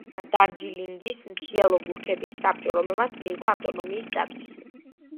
შეიქმნა დარჯილინგის მთიელი გურქების საბჭო, რომელმაც მიიღო ავტონომიის სტატუსი.